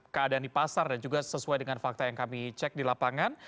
keadaan di pasar dan juga sesuai dengan fakta yang kami cek di lapangan